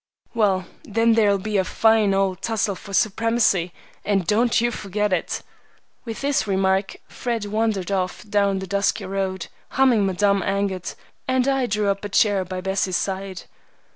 "Well, then there'll be a fine old tussle for supremacy, and don't you forget it!" With this remark Fred wandered off down the dusty road, humming Madame Angot, and I drew up a chair by Bessie's side.